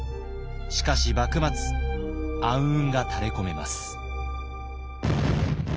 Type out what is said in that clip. しかし幕末暗雲が垂れこめます。